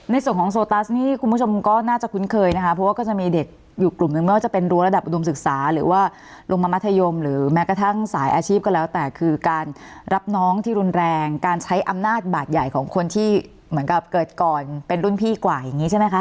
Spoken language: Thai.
ในส่วนของโซตัสนี่คุณผู้ชมก็น่าจะคุ้นเคยนะคะเพราะว่าก็จะมีเด็กอยู่กลุ่มนึงไม่ว่าจะเป็นรั้วระดับอุดมศึกษาหรือว่าลงมามัธยมหรือแม้กระทั่งสายอาชีพก็แล้วแต่คือการรับน้องที่รุนแรงการใช้อำนาจบาดใหญ่ของคนที่เหมือนกับเกิดก่อนเป็นรุ่นพี่กว่าอย่างนี้ใช่ไหมคะ